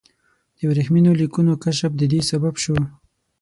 د ورېښمینو لیکونو کشف د دې سبب شو.